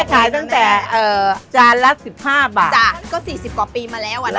แม่ขายตั้งแต่เอ่อจานละสิบห้าบาทจ้ะก็สี่สิบกว่าปีมาแล้วอ่ะน่ะ